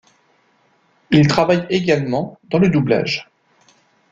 Il travaille également dans le doublage.